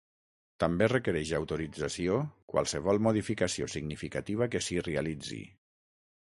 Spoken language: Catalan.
També requereix autorització qualsevol modificació significativa que s'hi realitzi.